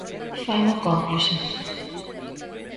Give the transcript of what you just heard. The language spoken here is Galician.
¡Faino cómplice!